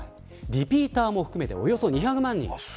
リピーターも含めておよそ２００万人。